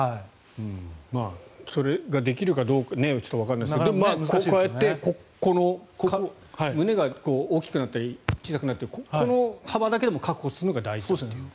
それができるかどうかちょっとわからないですけどでも、こうやって胸が大きくなったり小さくなったりのこの幅だけでも確保するのが大事っていう。